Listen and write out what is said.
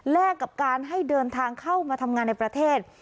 กับการให้เดินทางเข้ามาทำงานในประเทศ